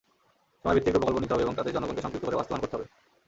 সময়ভিত্তিক রূপকল্প নিতে হবে এবং তাতে জনগণকে সম্পৃক্ত করে বাস্তবায়ন করতে হবে।